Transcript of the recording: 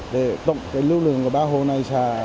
để tổng lưu lượng của ba hồ này xả